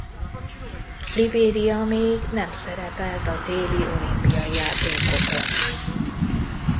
Libéria még nem szerepelt a téli olimpiai játékokon.